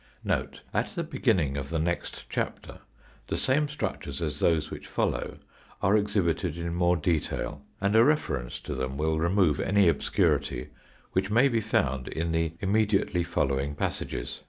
Note. At the beginning of the next chapter the same structures as those which follow are exhibited in more detail and a reference to them will remove any obscurity which may be found in the imme diately following passages.